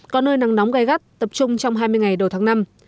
có nơi nắng nóng gai gắt tập trung trong hai mươi ngày đầu tháng năm